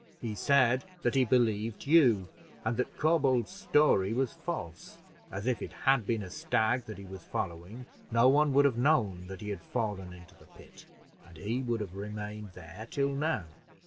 "He said that he believed you, and that Corbould's story was false as, if it had been a stag that he was following, no one would have known that he had fallen into the pit, and he would have remained there till now.